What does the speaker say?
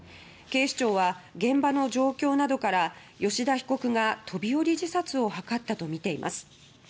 警視庁は現場の状況などから吉田被告が、飛び降り自殺を図ったとみています。